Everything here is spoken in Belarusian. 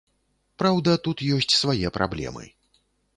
Праўда, тут ёсць свае праблемы.